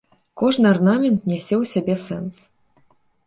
Кожны арнамент нясе ў сабе сэнс.